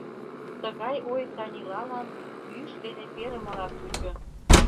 Тыгай ой Танилалан ӱш дене перымылак чучо.